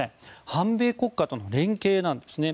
反米国家との連携なんですね。